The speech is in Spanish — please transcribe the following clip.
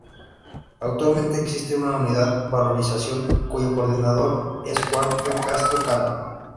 Actualmente existe una unidad: "Valorización", cuyo coordinador es Juan F. Castro-Cal.